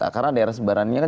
karena daerah sebarangnya